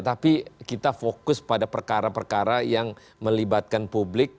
tapi kita fokus pada perkara perkara yang melibatkan publik